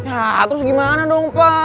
nah terus gimana dong pak